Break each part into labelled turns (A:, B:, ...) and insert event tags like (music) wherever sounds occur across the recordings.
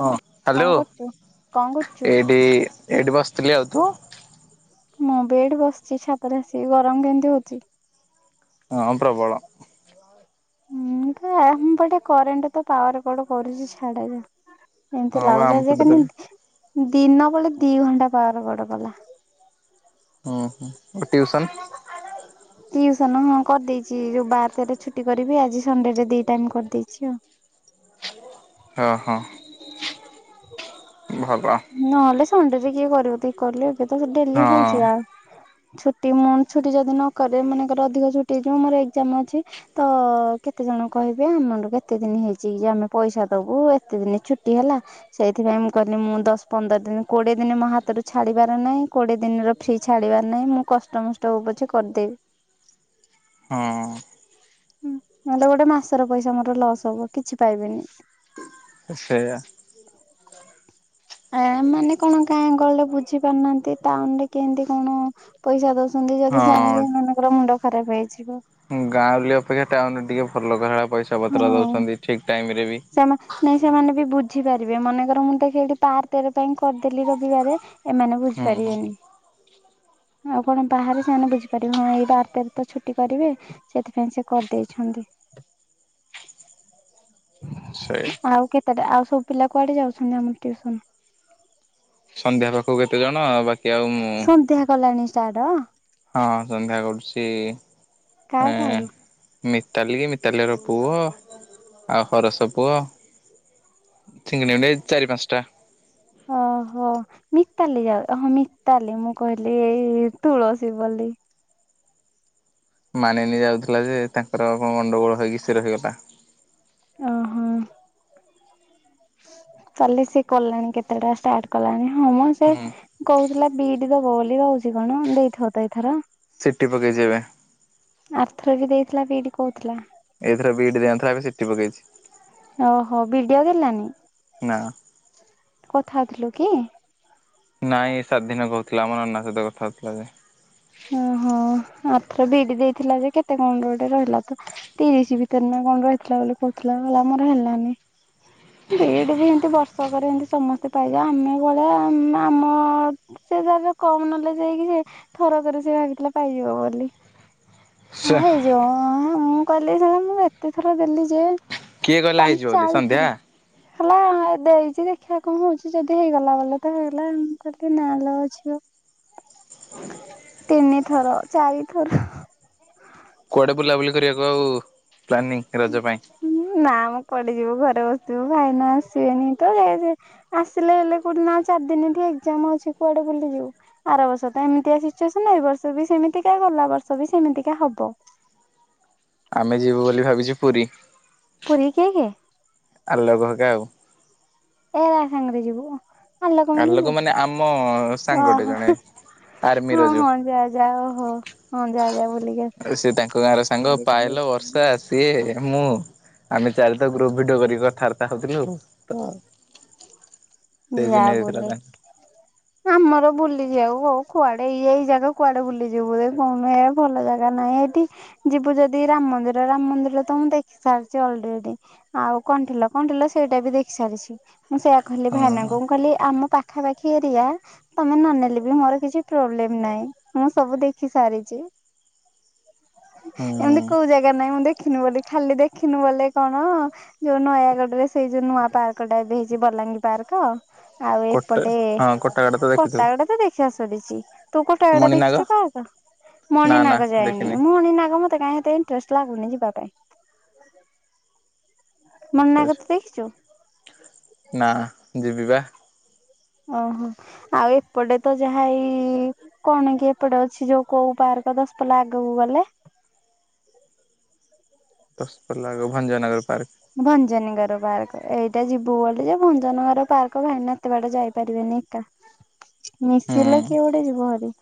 A: ହଁ ହାଲୋ
B: କଣ କରୁଛୁ? କଣ କରୁଛୁ?
A: ଏଇଠି ଏଇଠି ବସିଥିଲି, ଆଉ ତୁ?
B: ମୁଁ ବି ଏଇଠି ବସିଚି ଛାତ ରେ ଆସି କି ଗରମ କେମିତି ହଉଚି।
A: ହଁ ପ୍ରବଳ।
B: ହୁଁ ତ ଆମ ପଟେ କରେଣ୍ଟ ତ ପାୱାର କଟ କରୁଛି ଛାଡ ଯେ ଯେମିତି
A: ହଁ ବା
B: ଲାଗୁଛି
A: ଆମ
B: ଆଉ ଯୋଉ
A: ପଟେ ତ
B: କେମିତି ଦିନ ବଳେ ଦି ଘଣ୍ଟା ପାୱାର କଟ କଲା।
A: ହୁଁ ହୁଁ ଟିଉସନ।
B: ଟିଉସନ୍ ହଁ କରିଦେଇଛି ଯୋଉ ବାର ତେର ରେ ଛୁଟି କରିବି ଆଜି ସଣ୍ଡେ ରେ ଦି ଟାଇମ୍ କରି ଦେଇଛି ଆଉ।
A: ହଁ ହଁ। ଭଲ
B: ନହେଲେ ସଣ୍ଡେ ରେ କିଏ କରିବ ତୁଇ କଇଲୁ ଏବେ ତ ଡେଲି
A: ହଁ
B: ହଉଛି ଆ ଛୁଟି ମୁଁ ଛୁଟି ଯଦି ନକରିବି ମନେ କର ଅଧିକ ଛୁଟି ହେଇ ଯିବ ମୋର ଏକଜାମ୍ ଅଛି ତ କେତେ। ଜଣ କହିବେ ଆମଠୁ କେତେ ଦିନ ହେଇଛି କି ଯେ ଆମେ ପଇସା ଦବୁ ଏତେ ଦିନ ଛୁଟି ହେଲା ସେଇଥିପାଇଁ ମୁଁ। କହିନି ମୁଁ ଦଶ। ପନ୍ଦର ଦିନ କୋଡିଏ ଦିନ ମୋ ହାତରୁ ଛାଡିବାର ନାହିଁ କୋଡିଏ ଦିନର ଫ୍ରି ଛାଡିବାର ନାହିଁ ମୁଁ କଷ୍ଟମଷ୍ଟ ହଉ। ପଛେ କରିଦେବି।
A: ହଁ।
B: ହୁଁ ନହେଲେ ଗୋଟେ ମାସ ର ପଇସା ମୋର ଲସ୍ ହବ କିଛି ପାଇବିନି।
A: ସେଇଆ।
B: ଆ ମାନେ କଣ ଗାଁ ଗହଳିରେ ବୁଝି ପାରୁନାହାନ୍ତି ଟାଉନ ରେ କେମିତି କଣ ପଇସା ଦଉଛ ନ୍ତି ଯଦି ଜାଣିବେ ଏମାନଙ୍କର ମୁଣ୍ଡ ଖରାପ ହେଇଯିବ।
A: ଗାଁଉଁଲି ଅପେକ୍ଷା ଟାଉନ ଟିକେ ଭଲ। ପଇସା ପତ୍ର
B: ହଁ
A: ଦଉଛନ୍ତି ଠିକ ଟାଇମ ରେ ବି
B: ସେମା ନାଇଁ ସେମାନେ ବି ବୁଝିପାରିବେ ମନେକର ମୁଁ ତ ହେଇଠି ବାର ତେର ପାଇଁ କରିଦେଲି ରବିବାରେ ଏମାନେ
A: ହୁଁ ହୁଁ
B: ବୁଝିପାରିବେନି। (inaudible) ଆଉ କଣ ବାହାରେ ସେମାନେ ବୁଝିପାରିବେ ହଁ ଏଇ ବାର ତେର ତ ଛୁଟି କରିବେ ସେଥିପାଇଁ ସେ କରିଦେଇଛନ ନ୍ତି।
A: ସେଇ
B: ଆଉ କେତେଟା ଆଉ ସବୁ ପିଲା କୁଆଡ଼େ ଯାଉଛନ୍ତି ଆମର ଟିଉସନ।
A: କୋଉ କେତେ ଜଣ ଆଉ ବା
B: ସନ୍ଧ୍ୟା କଲାଣି ଷ୍ଟାର୍ଟ।
A: ହଁ ସନ୍ଧ୍ୟା କରୁଛି
B: କାହାକୁ
A: ଏଁ
B: କାହାକୁ
A: ମି ତାଲି କି ମିତାଲି ଘର ପୁଅ ଆଉ ହରସ ପୁଅ। ଚିଙ୍ଗଡ଼ି ମୀଙ୍ଗଡ଼ି ଏଇ ଚାରି ପାଞ୍ଚଟା।
B: ଓହୋ ମିତାଲି ଯାଉ ଅ ହ ମିତାଲି ମୁଁ କହିଲି ଏଇ ତୁଳସୀ ବୋଲି। ଲି।
A: ମାନିନୀ ଯାଉଥିଲା ଯେ, ତାଙ୍କର କଣ ଗଣ୍ଡଗୋଳ ହେଇକି, ସେ ରହିଗଲା।
B: କାଲି ସିଏ କଲାଣି, କେତେଟା ଷ୍ଟାର୍ଟ କଲାଣି ହଁ, ମ ସେ
A: ହୁଁ
B: କହୁଥିଲା ବି ଇ ଡି ଦବ ବୋଲି ଦଉଛି କଣ? ଦେଇଥିବ ତ ଏଥର।
A: ସି ଟି ପକେଇଚି ଏବେଁ।
B: ଆର ଥର ବି ଦେଇଥିଲା ବି ଇ ଡି କହୁଥିଲା।
A: ଏଇଥର ବି ଇ ଡି ଦେଇନଥିଆ। ଏବେ ସି ଟି ପକେଇଛି।
B: ଓହୋ! ବି ଡି ଆଉ ଦେଲାନି?
A: ନା।
B: କଥା ହେଉଥିଲୁ କିଁ?
A: ନାଇଁ ସାତ ଦିନ କହୁଥିଲା। ଆମ ନନା ସହିତ କଥା ହଉଥିଲା ଯେ।
B: ହଁ ହଁ। ହଁ ଆରଥର ବି ଇ ଡି ଦେଇଥିଲା ଯେ, କେତେ କଣ ଗୋଟେ ରହିଲା ତ! ତିରିଶ ଭିତରେ ନା କଣ ରହିଥିଲା ବୋଲି କହୁଥିଲା ମଲା ମୋର ହେଲାନି। ବି ଇ ଡ଼ି ବି ଏମତି ବର୍ଷକରେ ଏନତି ସମସ୍ତେ ପାଇ ଯା, ଆମେ ଭଳିଆ ଆମ ଆମ-ମ ସେ ତାର କମ୍ ନେଲେ ଯାଇକି ଯେ, ଥରକରେ ସେ ଭାବିଥିଲା ପାଇଯିବ ବୋଲି।
A: ସେ
B: ହଁ ହେଇଯିବ। ମ-ଅ ମୁଁ କହିଲି ଯେ ମୁଁ ଏତେ ଥର ଦେଲି ଯେ
A: କିଏ କହିଲା
B: ତମ୍
A: ହେଇଯିବ ବୋଲି ସନ୍ଧ୍ୟା
B: ଚାରିଥର ହେଲା। ଦେଇଛି ଦେଖିବା କଣ ହଉଛି? ଯଦି ହେଇଗଲା ବଲେ ତ ହେଇଗଲା, ମୁଁ କହିଲି ନାଲୋ ଝିଅ ତିନି ଥର, ଚାରି ଥର
A: କୁଆଡେ଼ ବୁଲାବୁଲି କରିଆକୁ ଆଉ, ପ୍ଲାନିଂ ରଜ ପାଇଁ?
B: ନା ମ କୁଆଡେ ଯିବୁ ଘରେ ବସିଥିବୁ। ଭାଇନା ଆସିବେନି ତ ଏ ଯଉ ଆସିଲେ ହେଲେ, କୋଡିଦିନ ଆଉ ଚାରି ଦିନ ଠି କାମ ଅଛି। କୁଆଡ଼େ ବୁଲିଯିବୁ? ଆର ବର୍ଷ ତ ଏମିତିଆ ସିଚ୍ୟୁସନ୍, ଏ ବର୍ଷ ବି ସେମତିକା, ଗଲା ବର୍ଷ ବି ସେମ୍ ମିନ୍ତିକା ହବ।
A: ଆମେ ଯିବୁ ବୋଲି ଭାବିଛୁ ପୁରୀ!
B: ପୁରୀ କିଏ କିଏ
A: ଆଲୋକ ହେକା ଆଉ।
B: ଏରା ସାଙ୍ଗରେ ଯିବୁ।
A: ଆଲୋକ ମାନେ ଆମ ସାଙ୍ଗଟେ
B: ଓହୋ
A: ଜଣେ। ଆର୍ମିର
B: ହଁ
A: ଯୋଉ
B: ହଁ ଯା ଯା ଓହୋ ହଁ। ଯା ଯା ବୁଲିକି
A: ସେ ତାଙ୍କ ଗାଁ ର ସାଙ୍ଗ ପାୟଲ, ବର୍ଷା, ସିଏ। ମୁଁ, ଆମେ ଚାରିତ ଗ୍ରୁପ ଭିଡ଼ିଓ କରିକି କଥାବାର୍ତ୍ତା ହଉଥିଲୁ। ତ
B: ଯା
A: ସେଇଦିନ ହେଇଥିଲା
B: ବୁଲେ।
A: ତାଙ୍କ
B: ଆମର ବୁଲିଯିବା କୁ ଉ କୁଆଡ଼େ ଇଏ, ଏଇ ଜାଗା କୁଆଡ଼େ ବୁଲିଯିବୁ ଯେ କଣ ନୁହେଁ, ଏ ଭଲ ଜାଗା ନାହିଁ ଏଠି ଯିବୁ ଯଦି ରାମ ମନ୍ଦିର! ରାମ ମନ୍ଦିର ତ ମୁଁ ଦେଖି ସାରିଛି ଅଲରେଡ଼ି। ଆଉ କଣ ଥିଲା କଣ ଥିଲା ସେ ସେଇଟା ବି ଦେଖି ସାରିଛି। ମୁଁ ସେଇଆ କହିଲି
A: ହଁ
B: ଭାଇନାଙ୍କୁ ମୁଁ କହିଲି ଆମ ପାଖ ପାଖାପାଖି ଏରିଆ ତମେ ନନେଲେ ବି ମୋର କିଛି ପ୍ରୋବ୍ଲେମ୍ ନାହିଁ। ମୁଁ ସବୁ ଦେଖି ସାରିଛି। ଏମିତି
A: ହୁଁ
B: କୋଉ ଜାଗା ନାହିଁ ମୁଁ ଦେଖ୍ ଦେଖିନୁ ବୋଲି ଖାଲି ଦେଖିନୁ ବଲେ କଣ! ଯୋଉ ନୟାଗଡରେ ସେଇ ଯୋଉ ନୂଆ ପାର୍କ ଟା ଏବେ ହେଇଛି, ବଲାଙ୍ଗୀର ପାର୍କ ଆଉ
A: କୋଟା
B: ଏପଟେ
A: ହଁ କୋଟାଗଡ ତ ଦେଖିଥିବୁ
B: କଟାଗଡା ତ ଦେଖିବା ସରିଛି ତୁ କଟାଗଡା
A: ମଣିନାଗ
B: ଦେଖିଛୁ ପାର୍କ?
A: ନା ନା
B: ମଣିନାଗ ଯାଇନି।
A: ଦେଖିନି।
B: ମଣିନାଗ ମତେ କାଇଁଏତେ ଇନ୍ଟରେଷ୍ଟ ଲାଗୁନି ଯିବ୍ ବା ପାଇଁ
A: ଆଚ୍ଛା
B: ମନା
A: ଆଚ୍ଛା
B: କରିତି ଦେଖିଛୁ।
A: ନା ଯିବି ବା।
B: ଓହୋ! ଆଉ ଏପଟେ ତ ଯାହା ଏଇ କଣ କି ଏପଟେ ଅଛି! ଯୋଉ କୋଉ ପାର୍ ଦଶ ପଲା ଆଗକୁ ଗଲେ?
A: ଦଶପଲ୍ଲା ଆଗ ଭଞ୍ଜନଗର ପାର୍କ
B: ଭଞ୍ଜନଗର ପାର୍କ। ଏଇଟା ଯିବୁ ବୋଲି ଯେ ଭଞ୍ଜନଗର ପାର୍କ ଭାଇନା ଏତେ ବାଟ ଯାଇପାରିବେନି ଏକା।
A: ହୁଁ।
B: ମିଶିଲେ କିଏ ଗୋଟେ ଯିବ ହେରି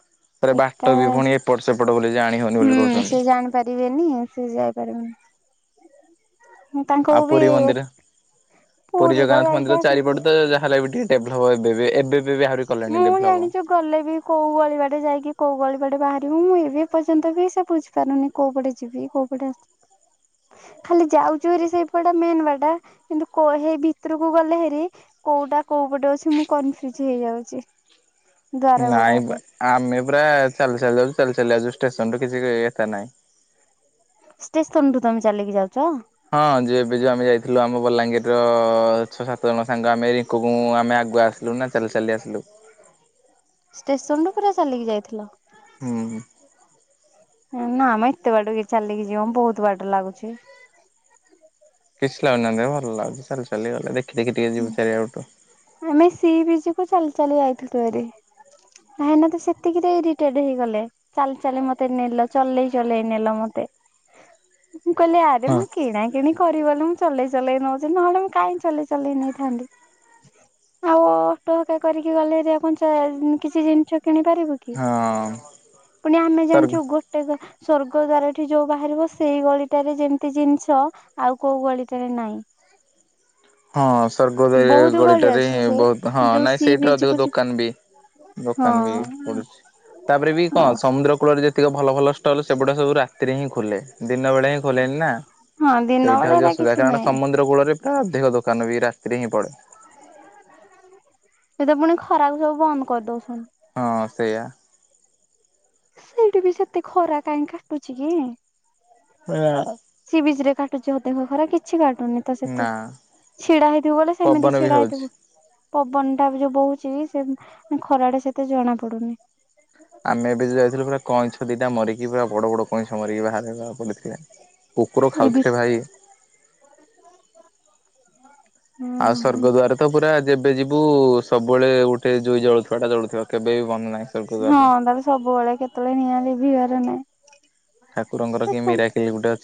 A: ତାରେ ବାଟ
B: ଏକା।
A: ବି ପୁଣି ଏପଟ ସେପଟ ବୋଲି ଜାଣି ହଉନି ବୋଲି
B: ହୁଁ,
A: କହୁଛନ୍ତି
B: ସେ ଜାଣିପାରିବେନି ସେ ଯାଇପାରିବେନି। ତାଙ୍କୁ
A: ଆଉ
B: ବି
A: ପୁରୀ ମନ୍ଦିର! ପୁରୀ
B: ତ
A: ଜଗନ୍ନାଥ
B: ଯାଇକି
A: ମନ୍ଦିର
B: ଆସିଛୁ
A: ଚାରିପଟେ ତ ଯାହା ହେଲା ବି ଟିକେ ଡେଭ୍ଲପ୍ ଏବେବି ଏବେ ବି ଆହୁରି କଲେଣି
B: ମୁଁ
A: ଡେଭଲପ।
B: ଜାଣିଚୁ ଗଲେ ବି, କୋଉ ଗଳିିବାଟେ ଯାଇକି କୋଉ ଗଳିପଡେ ବାହାରିବୁ ମୁଁ ଏବେ ଏ ପର୍ଯ୍ୟନ୍ତ ବି ସେ ବୁଝିପାରୁନି କୋଉ ପଟେ ଯିବି କୋଉ ପଟେ ଆସି ଖାଲି ଯାଉଛୁ ହେରି ସେଇ ପଟ ମେନ ବାଟା କିନ୍ତୁ କୋହେଇ ଭିତରକୁ ଗଲେ ହେରି କୋଉଟା କୋଉ ପଟେ ଅଛି ମୁଁ କନଫ୍ୟୁଜ ହେଇଯାଉଛି। ଦ୍ଵାର
A: ନାଇଁବା
B: ଗୁଡାକ
A: ଆମେ ପୁରା ଚାଲି ଚାଲି ଯାଉଛୁ ଚାଲି ଚାଲି ଆଉଛୁ ଷ୍ଟସନ ରୁ କିଛି ଏତା ନାଇଁ।
B: ଷ୍ଟେସନରୁୁ ତମେ ଚାଲିକି ଯାଉଛ?
A: ହଁ ଯ ଏବେ ଯୋଉ ଆମେ ଯାଇଥିଲୁ ଆମ ବଲାଙ୍ଗୀର ର ଛଅ ସାତ ଜଣ ସାଙ୍ଗ ଆମେ ରିଙ୍କୁ ଆମେ ଆଗ ଆସିଲୁ ନା ଚାଲି ଚାଲି ଆସିଲୁ।
B: ଷ୍ଟେସନ ରୁ ପୁରା ଚାଲିକି ଯାଇଥିଲ।
A: ହୁଁ।
B: ନା ଆମେ ଏତେ ବାଟ କିଏ ଚାଲିକି ଯିବ ବହୁତ ବାଟ ଲାଗୁଚି।
A: (unintelligible) ଭଲ ଲାଗୁଛି ଚାଲି (unintelligible) ଚାଲି ଗଲେ ଦେଖି ଟିକେ ଯିବୁ ଚାରିଆଡୁ
B: ଆମେ ସି ବିଜି କୁ ଚାଲି ଚାଲି ଯାଇଥିଲୁ ହେରି। ଭାଇଁନା ତ ସେତିକିରେ ଇରିଟେଡ ହେଇଗଲେ ଚାଲି ଚାଲି ମତେ ନେଲ ଚଲେଇ ଚଲେଇ ନେଲ ମତେ। ମୁଁ କହିଲି ଆରେ
A: ହଁ
B: ମୁଁ କିଣା କିିଣି କରିିବ ବୋଲି ମୁଁ ଚଲେଇ ଚଲେଇ ନଉଛିି ନହେଲେ ମୁଁ କାଇହିଁ ଚଲେଇ ଚଲେଇ ନେଇଥାନ୍ତି। ଆଉ ଅଟ ଟା କରିକି ଗଲେ ଜେ (unintelligible) କିଛି ଜିନିଷ କିଣି ପାରିବୁ କି
A: ହଁ
B: ପୁଣି ଆମେ
A: ସର୍
B: ଜାଣିଛୁ ଗୋଟେ ସ୍ଵର୍ଗ ଦ୍ଵାରଠି ଯୋଉ ବାହାରିବ ସେଇ ଗଳିଟାରେ ଯେମିତି ଜିନିଷ ଆଉ କୋଉ ଗଳିଟାରେ ନାଇଁ।
A: ହଁ ସର୍ଗଦୂଆର
B: ବହୁତ ଗଳି
A: ଗଳିଟାରେ
B: ଅଛି
A: ହଁ
B: ସେ
A: ବହୁତ ହଁ
B: ଯୋଉ
A: ନାଇଁ
B: ସି
A: ସେଇଟା
B: ବିଚ୍
A: ଅଧିକ
B: କୁ ଯିବ
A: ଦୋକାନ ଦୋକାନ ବି
B: ହଁ।
A: ପଡୁଚି ତାପରେ ବି କଣ ସମୁଦ୍ର କୂଳରେ ଯେତିକି ଭଲ ଭଲ ଷ୍ଟୋଲ୍ ସେଗୁଡ଼ା କ ସବୁ ରାତିରେ ହିଁ ଖୋଲେ ଦିନ ବେଳେ ହିଁ ଖୋଲେଣିି ନା।
B: ହଁ ଦିନ
A: ସେଇଟା
B: ବେଳେ
A: ହଉଛି
B: ହେରା
A: ଅସୁବିଧା
B: କିଛି
A: କାରଣ
B: ନାହିଁ
A: ସମୁଦ୍ର କୂଳରେ ଅଧିକ ଦୋକାନ ବି ରାତିରେ ହିଁ ପଡେ
B: ଏଇତ ପୁଣି ଖରାକୁ ସବୁ ବନ୍ଦ କରିଦଉଛନ୍ତି।
A: ହ ସେଆ।
B: ଏଇଠି ବି ସେତେ ଖରା କାଇହିଁ କାଟୁଚି କି?
A: ହଁ।
B: କାଟୁଯୋଦେହ ଖରା କିଛି କା ନ ତ ସେତେ ଛିଡା ହେଇଥିବୁ ବଲେ ସେମିତି
A: ପବନ ବି
B: ଛିଡା
A: ହଉଛି।
B: ହେଇଥିବୁ। ପବନ ଟା ବି ଯୋଉ ବହୁଚି ସେ ଖରାଟା ସେତେ ଜଣା ପଡୁନି।
A: ଆମେ ଏବେ ଯ ଯାଇଥିଲୁ ପୁରା କଇଁଛ ଦିଟା ମରିକି ପୁରା ବଡ ବଡ କଇଁଛ ମରିକି ବାହାରିଲା। (unintelligible) କୁକୁର
B: ଏ
A: ଖାଉଥିଲେ
B: ଭିତ
A: ଭାଇ।
B: (unintelligible)
A: ଆଉ ସର୍ଗଦ୍ୱାରେ ତ ପୁରା ଏବେ ଯିବୁ ସବୁବେଳେ ଗୋଟେ ଜୁଇ ଜଳୁଥିବା ଟା ଜଳୁଥିବ। କେବେବି ବନ ନାହିଁ। ସ୍ୱର୍ଗ
B: ହଁ
A: ଦ୍ୱାରରେ।
B: ତାହେଲେ ସବୁବେଳେ କେତେବେଳେ ନିଆଁ ଲିଭିବାରେ ନାଇଁ।
A: ଠାକୁରଙ୍କର କି ମିରାକିଲ ଗୁଟେ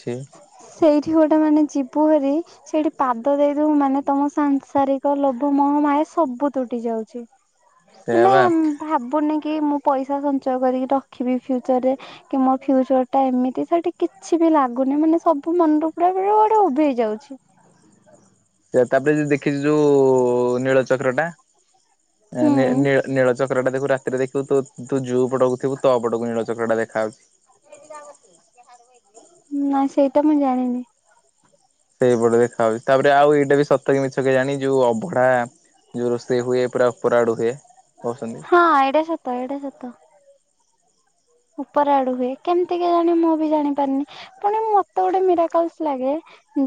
B: ସେଇଠି ଗୋଟେ ମାନେ ଯିବୁ ହେରି, ସେଇଠି ପାଦ ଦେଇଦବୁ ମାନେ ତମ ସାଂସାରିକ ଲୋଭ ମୋହ ମାୟା ସବୁ ତୁଟି ଯାଉଛି।
A: ସେଇଆ
B: ମାନେ
A: ବା।
B: ଭାବୁନି କି ମୁଁ ପଇସା ସଞ୍ଚୟ କରିକି ରଖିବି ଫ୍ୟୁଚରରେ କି ମୋ ଫ୍ୟୁଚର ଟା ଏମିତି ସେଠି କିଛି ବି ଲାଗ ଗୁନିମାନେ ସବୁ ମନରୁ (unintelligible) ଉଭେଇ ଯାଉଛି।
A: ତାପରେ ଯୋଉ ଦେଖିଛୁ ଯୋଉ ନୀଳଚକ୍ର ଟା? ନୀ ନୀ
B: ହୁଁ
A: ନୀଳ ଚକ୍ରଟା ଦେଖୁ ରାତିରେ ଦେଖିବୁ, ତୁ ତୁ ଯୋଉ ପଟକୁ ଥିବୁ ତ ପଟକୁ ନୀଳଚକ୍ରଟା ଦେଖାଆଉଛି। (unintelligible)
B: ତ ମୁଁ ଜାଣିନି।
A: ସେଇପଟେ ଦେଖାଯାଚି, ତାପରେ ଆଉ ଏଇଟା ବି ସତ କି ମିଛ କେଜାଣି ଯୋଉ ଅଭଡ଼ା ଯୋଉ ରୋଷେଇ ହୁଏ ପୁରା (unintelligible) ହୁଏ। କହୁଛନ୍ତି
B: ହଁ ଏଇଟା ସତ ଏଇଟା ସତ। ଉପର ଆଡ଼ୁ ହୁଏ। କେମିତି କେଜାଣି ମୁଁ ବି ଜାଣି ପାରିନି। ପୁଣି ମତେ ଗୋଟେ ମିରାକଲସ ଲାଗେ।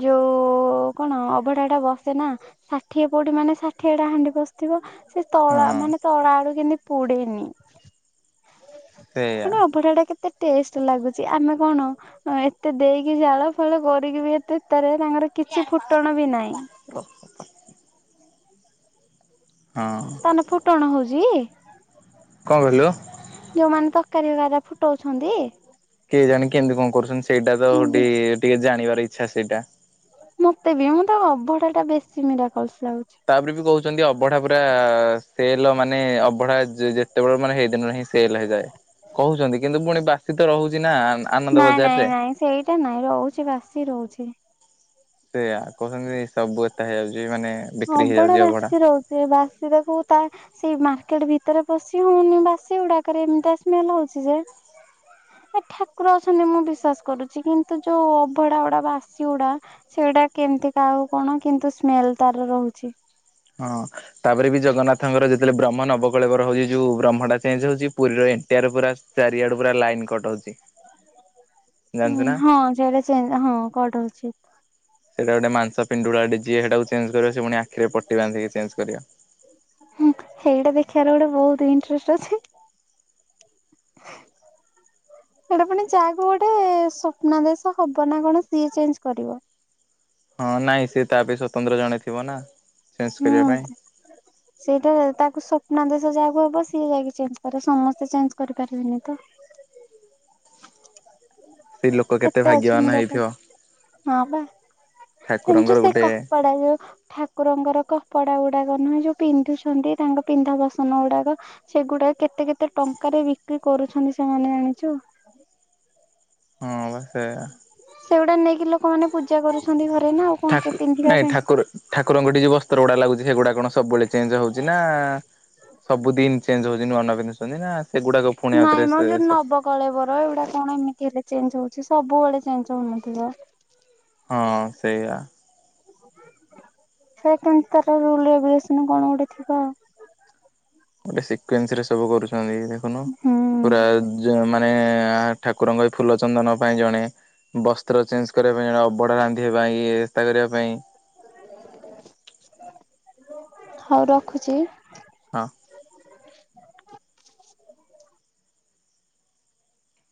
B: ଯୋଉ କଣ ଅଭଡ଼ାଟା ବସେନା, ଷାଠିଏ ପଉଟି ମାନେ ଷାଠିଏଟା ହାଣ୍ଡି ବଶିଥିବ। ସେ ତଳା
A: ହଁ
B: ମାନେ ତଳା ଆଡ଼ୁ କେମତି ପୁଡ଼େନି।
A: ସେଇଆ।
B: ମାନେ ଅଭଡ଼ାଟା କେତ୍ ଟେଷ୍ଟ ଲାଗୁଛି। ଆମେ କଣ ଏତେ ଦେଇକି ଜାଳ ଫାଳ କରିକିବି ଏତେ ତାର ତାଙ୍କର କିଛି ଫୁଟଣ ବି ନାଇଁ।
A: ହଁ
B: ତାନେ ଫୁଟଣ ହଉଚି?
A: କଁ କହିଲୁ?
B: (unintelligible) ଫୁଟଉଛନ୍ତି?
A: କେଜାଣି କେମିତି କଣ କରୁଛନ୍ତି। ସେଇଟା ତ ଗୋଟେ ଟିକେ ଜାଣିବାର ଇଚ୍ଛା ସେଇଟା।
B: ମତେ ବି ମୁଁ ତ ଅଭଡ଼ାଟା ବେଶୀ ମିରାକଲସ। ଲାଗୁଛି।
A: ତାପରେ ବି କହୁଛନ୍ତି ଅଭଡ଼ା ପୁରା ସେଲ ମାନେ ଅଭଡ଼ା ଯେ-ଯେ (unintelligible) ମାନେ ହେଇ ଦିନରେ ହିଁ ସେଲ ହେଇଯାଏ। କହୁଛନ୍ତି କିନ୍ତୁ ପୁଣି ବାସି ତ ରହୁ
B: ନାଇଁ ନାଇଁ ନାଇଁ ସେଇଟା ନାଇଁ ରହୁଛି ବାସି ରହୁଛି।
A: ସେଆ କହୁସନ୍ତି ସବୁ ହେଇଯାଉଛି ମାନେ ବିକ୍ରି
B: ଅବଡ଼ା
A: ହେଇଯାଉଛି ଅବଢା।
B: ବାସି ରହୁଛି। ବାସି ତାକୁ ତା ସେଇ ମା କେଟ୍ ଭିତରେ ପଶି ହଉନି ବାସି ଗୁଡାକରେ ଏମିତିଆ ସ୍ମେଲ ହଉଛି ଯେ ଏ ଠାକୁର ଅଛନ୍ତି ମୁଁ ବିଶ୍ଵାସ କରୁଛି। କିନ୍ତୁ ଯୋଉ ଅଭଡ଼ା ଅଡ଼ା ବାସି ଗୁଡ଼ା ସେ ସେଟା କେମତି କାହାକୁ କଣ କିନ୍ତୁ ସ୍ମେଲ ତାର ରହୁଛି।
A: ହଁ ତାପରେ ବି ଜଗନ୍ନାଥଙ୍କର ଯେତେବେଳେ ବ୍ରହ୍ମ ନବକଳେଳବର ହଉଜି ଯୋଉ ବ୍ରହ୍ମଟା ଚେଞ୍ଜ ହଉଚି। ପୁରୀର ଏଣ୍ଟାର ପୁରା ଚାରିଆଡ଼ୁ ପୁରା ଲାଇନ କଟ ହଉଚି।
B: ଉମ ହଁ ସେଟା ଚେଞ୍ଜ ହଁ କଟ ହଉଚି।
A: ସେଇଟା ଗୋଟେ ମାଂସ ପିଣ୍ଡୁଳାଟେ ଯିଏ ହେଟାକୁ ଚେଞ୍ଜ କରିବ ସେ ପୁଣି ଆ ଆଖିରେ ପଟି ବାନ୍ଧିକି ଚେଞ୍ଜ କରିବ।
B: ହୁଁ ସେଇଟା ଦେଖିବାର ଗୋଟେ ବହୁତ ଇଣ୍ଟ୍ରେଷ୍ଟ ଅଛି। ସେଟା ପୁଣି ଯାହାକୁ ଗୋଟେ ସ୍ୱପ୍ନାଦେଶ ହବ ନା କଣ ସିଏ ଚେଞ୍ଜ କରିବ।
A: ହଁ ନାଇଁ ସେ ତା ପାଇଁ ସ୍ଵତନ୍ତ୍ର ଜଣେ ଥିବ ନା। ଚେଞ୍ଜ
B: ହୁଁ
A: କରିବା ପାଇଁ
B: ସେଇଟା ତାକୁ ସ୍ୱପ୍ନଦେଶ ଯାହା ହବ ସିଏ ଯାଇକି ଚେଞ୍ଜ କରିବ। ସମସ୍ତେ ଚେଞ୍ଜ କରିପାରିବେନି ତ।
A: ସେଇ ଲୋକ
B: କେତେ ଅଛି
A: ଭାଗ୍ୟବାନ
B: ମିରାକଲ।
A: ହେଇଥିବ
B: ହଁ ବା (unintelligible)
A: ଠାକୁରଙ୍କର
B: ସେ
A: ଗୋଟେ
B: କପଡା ଯୋଉ ଠାକୁରଙ୍କର କ ପଡା ଗୁଡାକ ନୁହେଁ ଯୋଉ ପିନ୍ଧୁଛନ୍ତି ତାଙ୍କ ପିନ୍ଧା ବସନ ଗୁଡ଼ାକ ସେଗୁଡାକ କେତେ କେତେ ଟଙ୍କା ଉଠେ ବିକ୍ରି କରୁଛନ୍ତି ସେମାନେ ଜାଣିଛ?
A: ହଁ ବା। ସେୟା
B: ସେଗୁଡ଼ା ନେଇକି ଲୋକ।
A: ଠାକୁ
B: ପିନ୍ଧିବା
A: ନାଇଁ
B: ପାଇଁ।
A: ଠାକୁର ଠାକୁରଙ୍କଠି ଯୋଉ ବସ୍ତ୍ର ଗୁଡା ଲାଗୁଛି ସେଗୁଡା କଣ ସବୁବେଳେ ଚେଞ୍ଜ ହଉଛି ନା ସବୁ ଦିନ୍ ଚେଞ୍ଜ ହଉଛି ନୂଆ ନୂଆ ପିନ୍ଧୁଛନ୍ତି ନା। ସେଗୁଡାକ ପୁଣି
B: ନାଇଁ
A: ଆଉଥରେ
B: ମ ଯୋଉ
A: ସେ
B: ନବକଳେବର ଏଗୁଡା କଣ ଏମିତି ହେଲେ ଚେଞ୍ଜ ହୋଉଛି। ସବୁବେଳେ ଚେଞ୍ଜ୍ ହୋଉନଥିବ।
A: ହଁ ସେୟା।
B: ସେ କେମିତି ତାର ରୁଲ୍ ରେଗୁଲେସନ୍ କଣ ଗୋଟେ ଥିବ ଆଉ।
A: ଗୋଟେ ସିକ୍ରେଂଶ୍ ରେ ସବୁ କରୁଛନ୍ତି ଦେଖୁନୁ
B: ହୁଁ
A: ପୁରା ଯ ମାନେ ଆ ଠାକୁରଙ୍କ ଏ ଫୁଲ ଚନ୍ଦନ ପାଇଁ ଜଣେ। ବସ୍ତ୍ର ଚେଞ୍ଜ କରିବା ପାଇଁ ଜଣେ ଅବଡ଼ା ରାନ୍ଧିବା ପାଇଁ ଇଏ ନାସ୍ତା କରିବା ପାଇଁ।
B: ହଉ ରଖୁଛି।
A: ହଁ।